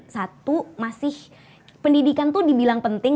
satu masih pendidikan itu dibilang penting